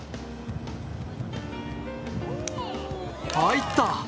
入った！